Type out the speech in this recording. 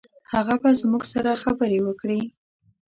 هغه به زموږ سره خبرې وکړي.